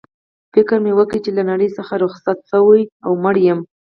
فکر مې وکړ چي له نړۍ څخه رخصت شوی او مړ یم.